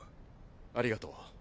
ありがとう。